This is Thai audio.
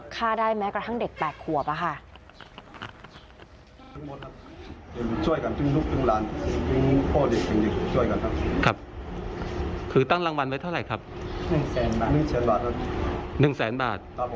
ฆ่าได้แม้กระทั่งเด็กแปลกขัวบ้าค่ะ